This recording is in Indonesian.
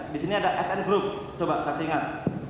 di sini ada sn group coba saksi ingat